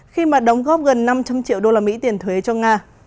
khi mà đóng góp gần năm trăm linh triệu usd tiền thuế cho nga